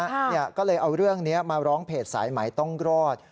เนี่ยก็เลยเอาเรื่องนี้มาร้องเพจสายไหมต้องรอด